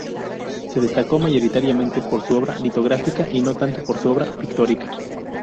Se destacó mayoritariamente por su obra litográfica y no tanto por su obra pictórica.